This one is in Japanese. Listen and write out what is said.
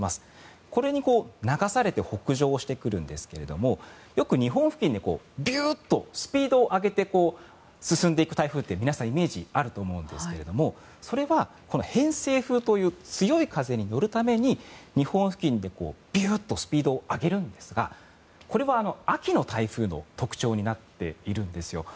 これに流されて北上してくるんですけれどもよく日本付近でスピードを上げて進んでいく台風って、皆さんイメージがあると思いますがそれは、偏西風という強い風に乗るために日本付近でビューっとスピードを上げるんですが秋の台風の特徴になっているんですよ。